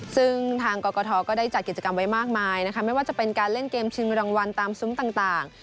ซึ่งทางกรกฐก็ได้จัดกิจกรรมไว้มากมายนะคะไม่ว่าจะเป็นการเล่นเกมชิงรางวัลตามซุ้มต่าง